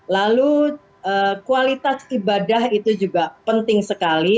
lalu kualitas ibadah itu juga penting sekali